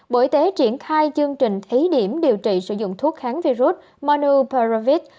bộ y tế triển khai chương trình thí điểm điều trị sử dụng thuốc kháng virus monuporavi